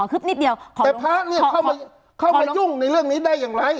แต่พระเนี่ยเข้าไปยุ่งในเรื่องนี้ได้อย่างไร